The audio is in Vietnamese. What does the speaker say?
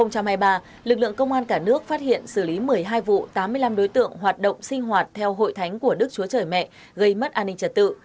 tổ chức phát hiện xử lý một mươi hai vụ tám mươi năm đối tượng hoạt động sinh hoạt theo hội thánh của đức chúa trời mẹ gây mất an ninh trật tự